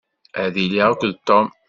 Ad iliɣ akked Tom.